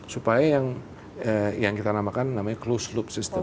supaya yang kita namakan closed loop system